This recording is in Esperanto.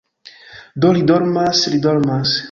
- Do li dormas, li dormas